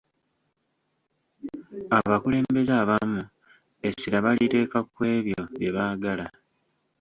Abakulembeze abamu essira baliteeka kw'ebyo bye baagala.